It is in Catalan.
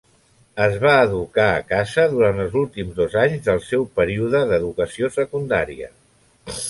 Es va educar a casa durant els últims dos anys del seu període d'educació secundària.